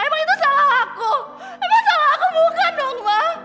emang itu salah aku emang salah aku bukan ma